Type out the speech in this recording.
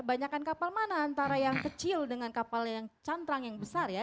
banyakan kapal mana antara yang kecil dengan kapal yang cantrang yang besar ya